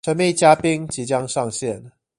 神秘嘉賓即將上線